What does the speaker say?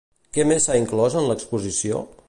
Què més s'ha inclòs en l'exposició?